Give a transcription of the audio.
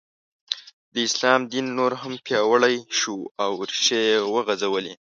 د اسلام دین نور هم پیاوړی شو او ریښې یې وځغلولې.